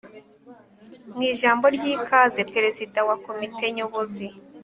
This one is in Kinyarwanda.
mu ijambo ry’ikaze, perezida wa komite nyobozi